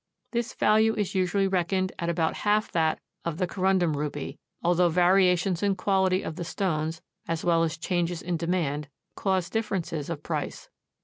This value is usually reckoned at about half that of the corundum ruby, although variations in quality of the stones, as well as changes in demand, cause differences of price.